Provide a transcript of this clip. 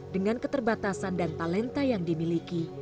dengan keterbatasan dan talenta yang dimiliki